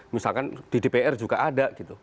misalkan di dpr juga ada gitu